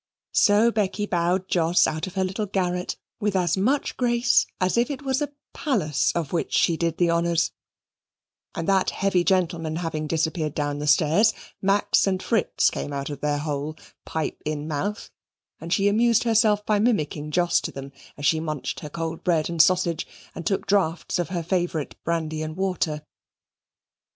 So Becky bowed Jos out of her little garret with as much grace as if it was a palace of which she did the honours; and that heavy gentleman having disappeared down the stairs, Max and Fritz came out of their hole, pipe in mouth, and she amused herself by mimicking Jos to them as she munched her cold bread and sausage and took draughts of her favourite brandy and water.